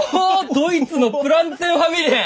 ドイツの「プランツェンファミリエン」！